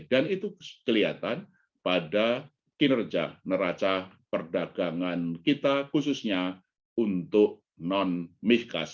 dan itu kelihatan pada kinerja neraca perdagangan kita khususnya untuk non mihkas